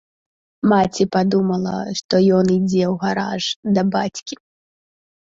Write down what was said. Маці падумала, што ён ідзе ў гараж да бацькі.